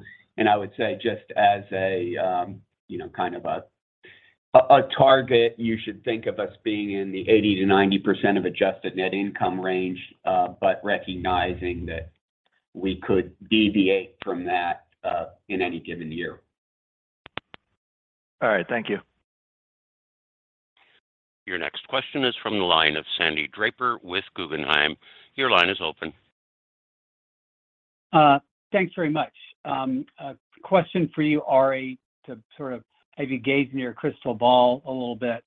I would say just as a, you know, kind of a target, you should think of us being in the 80%-90% of Adjusted Net Income range, but recognizing that we could deviate from that in any given year. All right. Thank you. Your next question is from the line of Sandy Draper with Guggenheim. Your line is open. Thanks very much. A question for you, Ari, to sort of have you gaze in your crystal ball a little bit,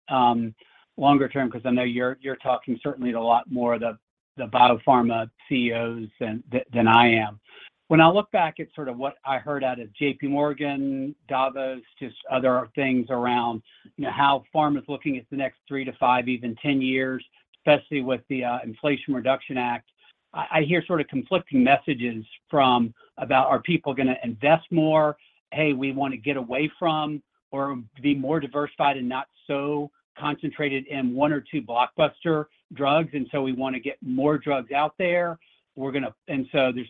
longer term, 'cause I know you're talking certainly to a lot more of the biopharma CEOs than I am. When I look back at sort of what I heard out of JPMorgan, Davos, just other things around, you know, how pharma's looking at the next 3 to 5, even 10 years, especially with the Inflation Reduction Act, I hear sort of conflicting messages from about are people gonna invest more? Hey, we want to get away from or be more diversified and not so concentrated in one or two blockbuster drugs, so we want to get more drugs out there. There's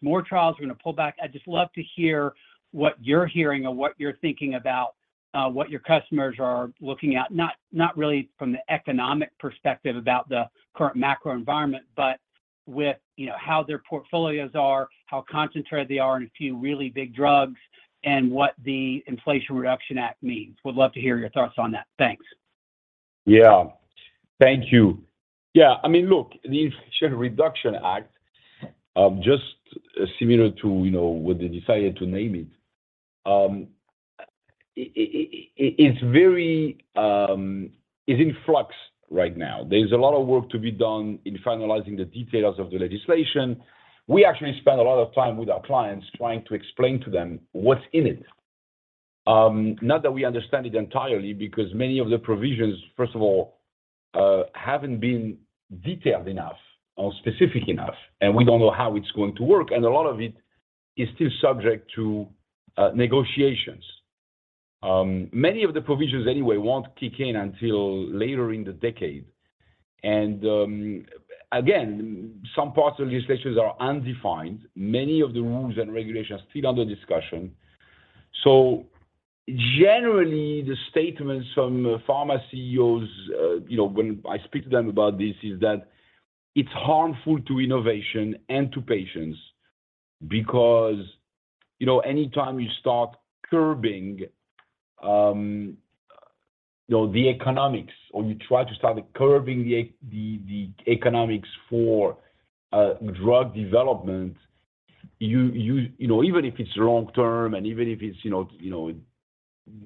more trials we're gonna pull back. I'd just love to hear what you're hearing or what you're thinking about what your customers are looking at, not really from the economic perspective about the current macro environment, but with, you know, how their portfolios are, how concentrated they are in a few really big drugs, and what the Inflation Reduction Act means. Would love to hear your thoughts on that. Thanks. Yeah. Thank you. Yeah. I mean, look, the Inflation Reduction Act, just similar to, you know, what they decided to name it's very, it's in flux right now. There's a lot of work to be done in finalizing the details of the legislation. We actually spend a lot of time with our clients trying to explain to them what's in it. Not that we understand it entirely because many of the provisions, first of all, haven't been detailed enough or specific enough, and we don't know how it's going to work, and a lot of it is still subject to negotiations. Many of the provisions anyway won't kick in until later in the decade. Again, some parts of the legislation are undefined. Many of the rules and regulations are still under discussion. Generally, the statements from pharma CEOs, you know, when I speak to them about this, is that it's harmful to innovation and to patients because, you know, anytime you start curbing, you know, the economics or you try to start curbing the economics for drug development, You know, even if it's long-term and even if it's, you know, you know,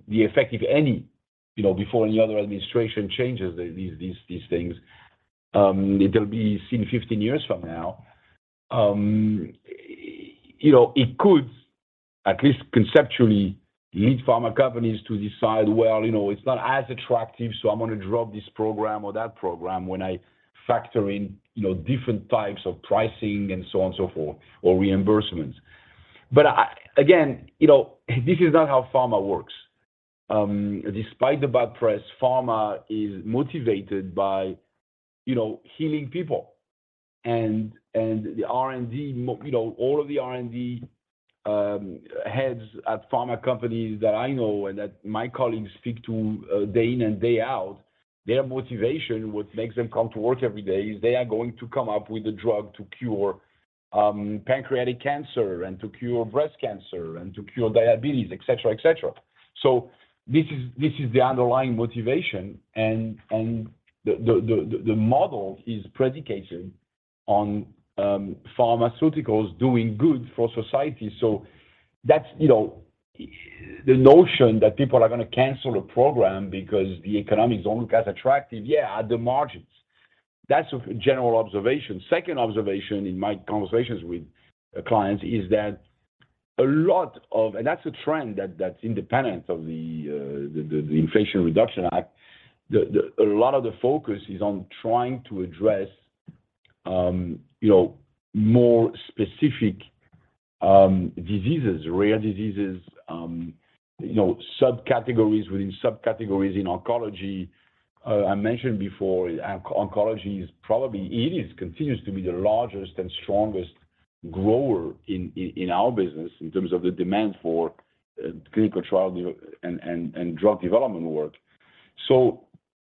the effect, if any, you know, before any other administration changes these things, it'll be seen 15 years from now. You know, it could at least conceptually lead pharma companies to decide, well, you know, it's not as attractive, so I'm gonna drop this program or that program when I factor in, you know, different types of pricing and so on and so forth, or reimbursements. Again, you know, this is not how pharma works. Despite the bad press, pharma is motivated by, you know, healing people. The R&D. You know, all of the R&D heads at pharma companies that I know and that my colleagues speak to day in and day out, their motivation, what makes them come to work every day, is they are going to come up with a drug to cure pancreatic cancer and to cure breast cancer and to cure diabetes, et cetera, et cetera. This is, this is the underlying motivation, and the model is predicated on pharmaceuticals doing good for society. That's, you know, the notion that people are gonna cancel a program because the economics don't look as attractive, yeah, at the margins. That's a general observation. Second observation in my conversations with clients is that. That's a trend that's independent of the Inflation Reduction Act. A lot of the focus is on trying to address, you know, more specific diseases, rare diseases, you know, subcategories within subcategories in oncology. I mentioned before, oncology continues to be the largest and strongest grower in our business in terms of the demand for clinical trial and drug development work.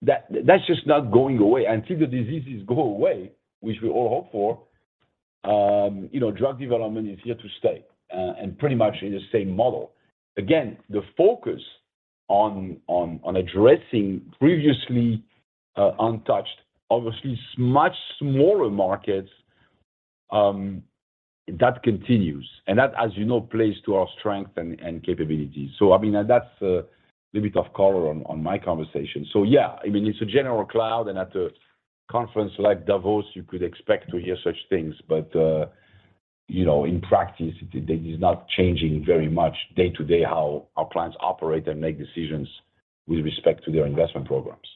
That's just not going away. Until the diseases go away, which we all hope for, you know, drug development is here to stay and pretty much in the same model. Again, the focus on addressing previously untouched, obviously much smaller markets. That continues. That, as you know, plays to our strength and capabilities. I mean, that's a little bit of color on my conversation. Yeah, I mean, it's a general cloud, and at a conference like Davos, you could expect to hear such things. You know, in practice it is not changing very much day to day how our clients operate and make decisions with respect to their investment programs.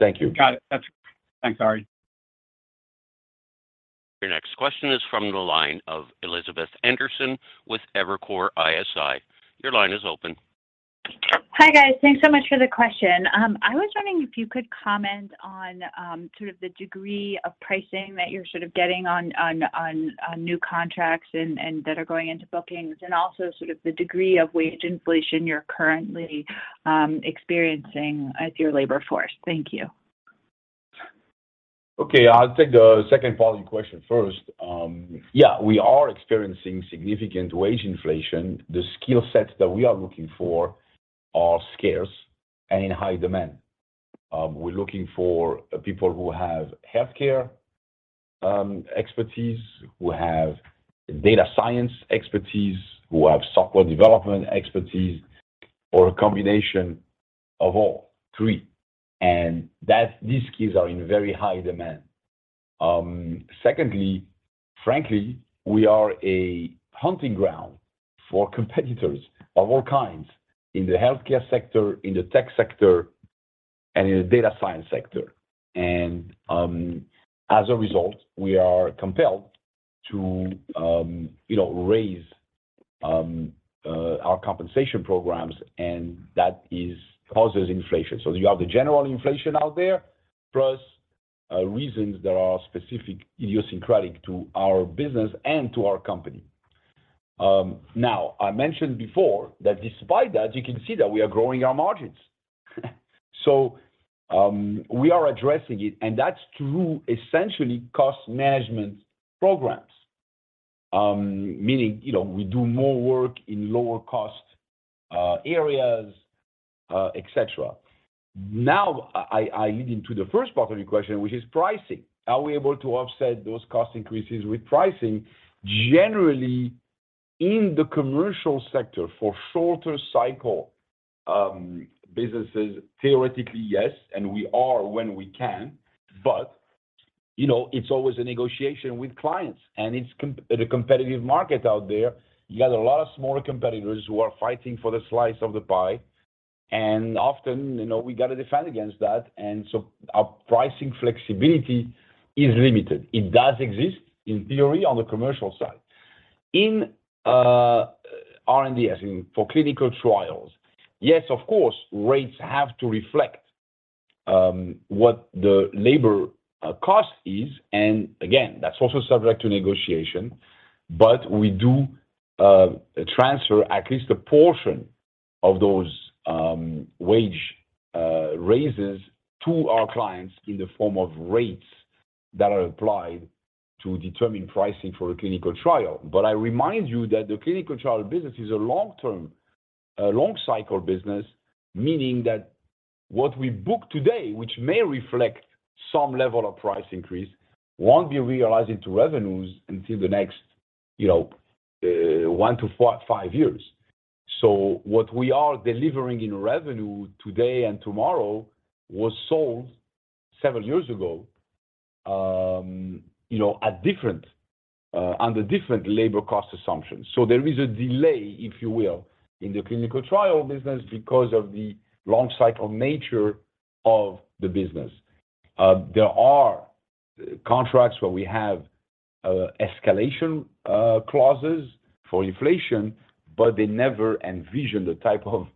Thank you. Got it. Thanks, Ari. Your next question is from the line of Elizabeth Anderson with Evercore ISI. Your line is open. Hi, guys. Thanks so much for the question. I was wondering if you could comment on, sort of the degree of pricing that you're sort of getting on new contracts and that are going into bookings, and also sort of the degree of wage inflation you're currently experiencing with your labor force. Thank you. Okay, I'll take the second part of your question first. Yeah, we are experiencing significant wage inflation. The skill sets that we are looking for are scarce and in high demand. We're looking for people who have healthcare expertise, who have data science expertise, who have software development expertise, or a combination of all three. These skills are in very high demand. Secondly, frankly, we are a hunting ground for competitors of all kinds in the healthcare sector, in the tech sector, and in the data science sector. As a result, we are compelled to, you know, raise our compensation programs, and that causes inflation. You have the general inflation out there, plus reasons that are specific, idiosyncratic to our business and to our company. Now, I mentioned before that despite that, you can see that we are growing our margins. We are addressing it, and that's through essentially cost management programs, meaning, you know, we do more work in lower cost, areas, et cetera. Now, I lead into the first part of your question, which is pricing. Are we able to offset those cost increases with pricing? Generally, in the commercial sector for shorter cycle, businesses, theoretically, yes, and we are when we can. You know, it's always a negotiation with clients, and it's a competitive market out there. You got a lot of smaller competitors who are fighting for the slice of the pie. Often, you know, we gotta defend against that. Our pricing flexibility is limited. It does exist in theory on the commercial side. In R&D, as in for clinical trials, yes, of course, rates have to reflect what the labor cost is. Again, that's also subject to negotiation. We do transfer at least a portion of those wage raises to our clients in the form of rates that are applied to determine pricing for a clinical trial. I remind you that the clinical trial business is a long-term long cycle business, meaning that what we book today, which may reflect some level of price increase, won't be realized into revenues until the next, you know, 1 to 4, 5 years. What we are delivering in revenue today and tomorrow was sold several years ago, you know, at different under different labor cost assumptions. There is a delay, if you will, in the clinical trial business because of the long cycle nature of the business. There are contracts where we have escalation clauses for inflation, but they never envision the type of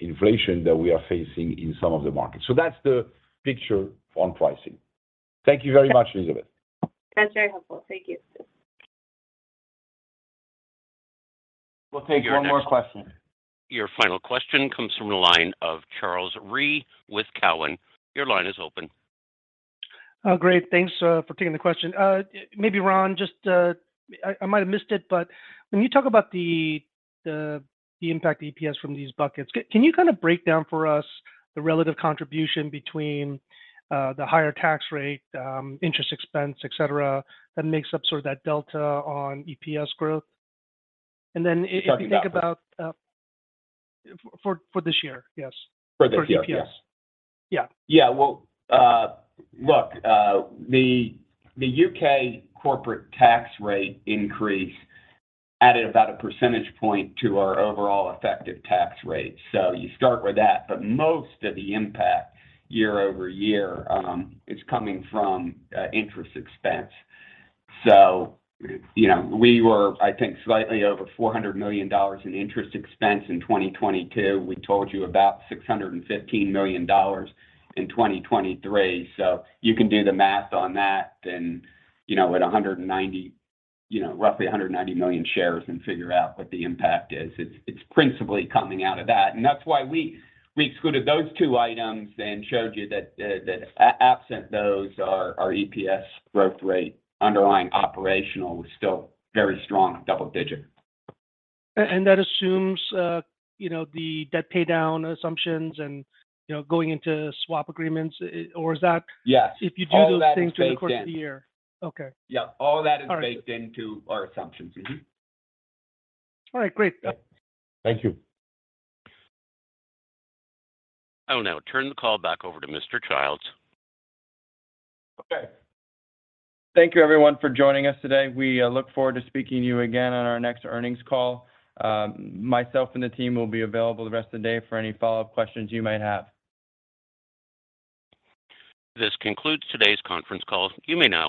inflation that we are facing in some of the markets. That's the picture on pricing. Thank you very much, Elizabeth. That's very helpful. Thank you. We'll take one more question. Your final question comes from the line of Charles Rhyee with Cowen. Your line is open. Oh, great. Thanks for taking the question. Maybe Ron, just, I might have missed it, but when you talk about the impact to EPS from these buckets, can you kind of break down for us the relative contribution between the higher tax rate, interest expense, et cetera, that makes up sort of that delta on EPS growth? For this year, yes. For this year. For EPS. Yeah. Well, look, the U.K. corporate tax rate increase added about a percentage point to our overall effective tax rate. You start with that. Most of the impact year-over-year is coming from interest expense. You know, we were, I think, slightly over $400 million in interest expense in 2022. We told you about $615 million in 2023. You can do the math on that and, you know, at 190, you know, roughly 190 million shares and figure out what the impact is. It's principally coming out of that. That's why we excluded those two items and showed you that absent those, our EPS growth rate underlying operational was still very strong double digit. That assumes, you know, the debt pay down assumptions and, you know, going into swap agreements. Is that? Yes. If you do those things through the course of the year. All that is baked in. Okay. Yeah. All that is baked into our assumptions. All right. Great. Yeah. Thank you. I will now turn the call back over to Mr. Childs. Thank you everyone for joining us today. We look forward to speaking to you again on our next earnings call. Myself and the team will be available the rest of the day for any follow-up questions you might have. This concludes today's conference call. You may now.